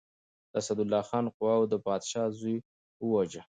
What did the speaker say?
د اسدالله خان قواوو د پادشاه زوی وواژه.